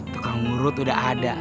tukang ngurut udah ada